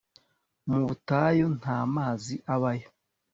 Mu butayu nta mazi abayo